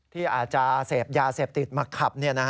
ที่อาจจะเสพยาเสพติดมาขับ